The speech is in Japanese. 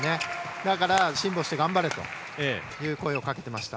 だから辛抱して頑張れという声をかけていました。